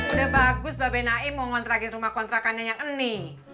udah bagus mbak bnai mau ngontrakin rumah kontrakannya yang ini